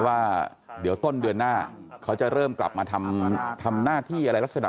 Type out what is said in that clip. ว่าเดี๋ยวต้นเดือนหน้าเขาจะเริ่มกลับมาทำหน้าที่อะไรลักษณะ